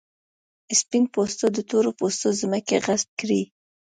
سپین پوستو د تور پوستو ځمکې غصب کړې.